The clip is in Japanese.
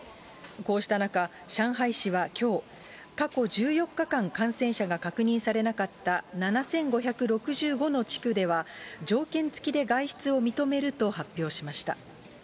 こうした中、上海市はきょう、過去１４日間感染者が確認されなかった７５６５の地区では、条件付きで外出を認めると発表しました。